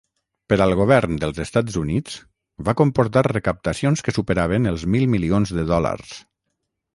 Per al govern dels Estats Units, va comportar recaptacions que superaven els mil milions de dòlars.